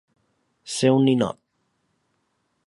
Ser un ninot.